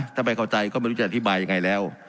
ถ้าไม่เข้าใจก็ไม่รู้จะอธิบายยังไงแล้ว